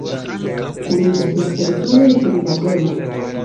Kuniĝas spertuloj pri la temo.